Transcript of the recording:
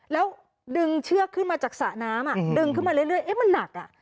แล้วดึงเชือกขึ้นมาจากสระน้ำดึงขึ้นมาเรื่อยเอ๊ะมันหนักอ่ะ